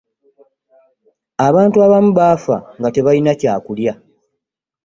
abantu abamu baafa nga tebalina kyakulya.